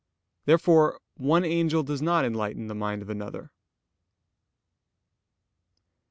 Therefore one angel does not enlighten the mind of another.